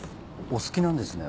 お好きなんですね